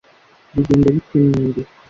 Bigenda bite mwembi